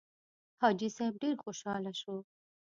حاجي صیب ډېر خوشاله شو.